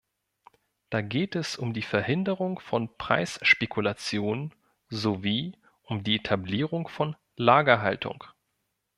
Da geht es um die Verhinderung von Preisspekulationen sowie um die Etablierung von Lagerhaltung.